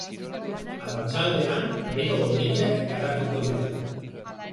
Arratsaldean, bero-hodeiak garatuko dira.